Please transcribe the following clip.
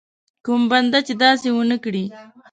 کوم بنده چې داسې ونه کړي.